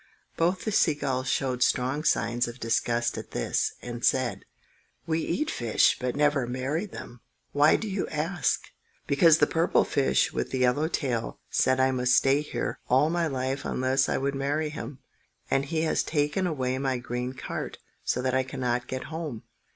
Both the sea gulls showed strong signs of disgust at this, and said,— "We eat fish, but never marry them. Why do you ask?" "Because the purple fish with the yellow tail said I must stay here all my life unless I would marry him. And he has taken away my green cart, so that I cannot get home."